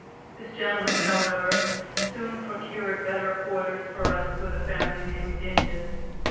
This gentleman, however, soon procured better quarters for us with a family named Dinges.